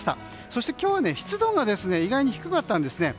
そして今日は湿度が意外に低かったんですね。